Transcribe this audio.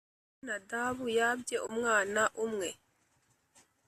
Aminadabu yabye umwana umwe.